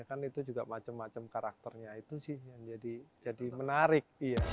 kan itu juga macam macam karakternya itu sih yang jadi menarik